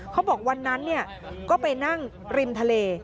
เขาบอกวันนั้นก็ไปนั่งริมทะเล